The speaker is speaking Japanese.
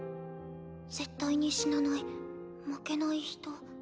絶対に死なない負けない人。